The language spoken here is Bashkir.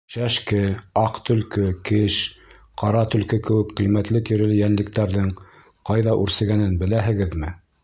Шәшке, аҡ төлкө, кеш, ҡара төлкө кеүек ҡиммәтле тиреле йәнлектәрҙең ҡайҙа үрсегәнен беләһегеҙме?